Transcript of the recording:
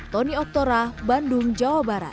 tony oktora bandung jawa barat